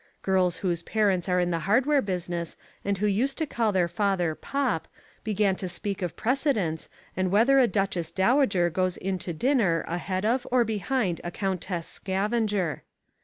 Girls whose parents are in the hardware business and who used to call their father "pop" begin to talk of precedence and whether a Duchess Dowager goes in to dinner ahead of or behind a countess scavenger.